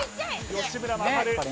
吉村真晴